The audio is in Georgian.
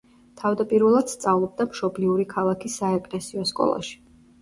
თავდაპირველად სწავლობდა მშობლიური ქალაქის საეკლესიო სკოლაში.